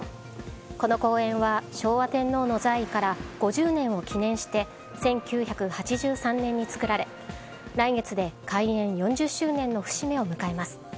この公園は、昭和天皇の在位から５０年を記念して１９８３年に作られ来月で開園４０周年の節目を迎えます。